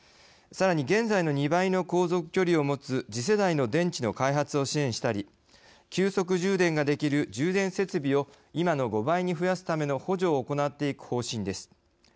さらに現在の２倍の航続距離を持つ次世代の電池の開発を支援したり急速充電ができる充電設備を今の５倍に増やすための補助を行っていく方針です。